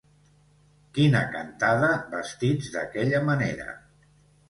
Quina cantada, vestits d'aquella manera!